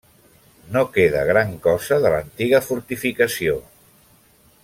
No queda gran cosa de l'antiga fortificació.